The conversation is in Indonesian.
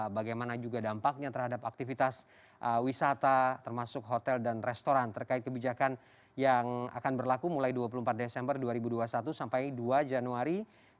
bagaimana juga dampaknya terhadap aktivitas wisata termasuk hotel dan restoran terkait kebijakan yang akan berlaku mulai dua puluh empat desember dua ribu dua puluh satu sampai dua januari dua ribu dua puluh